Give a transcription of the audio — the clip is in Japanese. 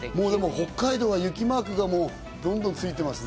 北海道は雪マークがどんどんついてますね。